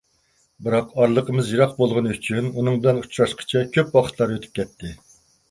بىراق ئارىلىقىمىز يىراق بوغىنى ئۈچۈن ئۇنىڭ بىلەن ئۇچراشقىچە كۆپ ۋاقىتلا ئۆتۈپ كەتتى.